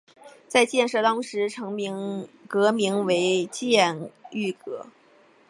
在建设当时成巽阁名为巽御殿。